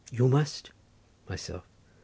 —You must. Myself.